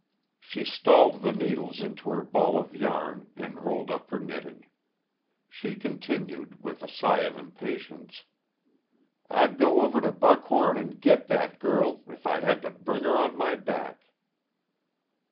She stalled the needles into her ball of yarn and rolled up her knitting. She continued, with a sigh of impatience: "I'd go over to Buckhom an' git that girl, if I had to bring 'er on my back."